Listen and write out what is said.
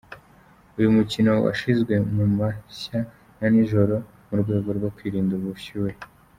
Uyu mukino washyizwe mu masha ya nijoro mu rwego rwo kwirinda ubushyuhe.